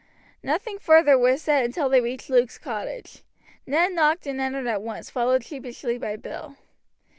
Nothing further was said until they reached Luke's cottage. Ned knocked and entered at once, followed sheepishly by Bill.